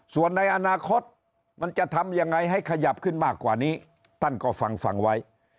ส่วนในอนาคตมันจะทำยังไงให้ขยับขึ้นมากกว่านี้ท่านก็ฟังฟังไว้